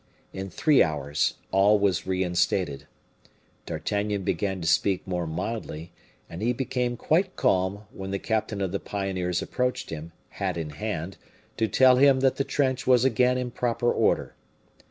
In three hours, all was reinstated. D'Artagnan began to speak more mildly; and he became quite calm when the captain of the pioneers approached him, hat in hand, to tell him that the trench was again in proper order.